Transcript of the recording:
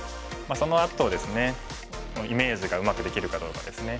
そのあとですねイメージがうまくできるかどうかですね。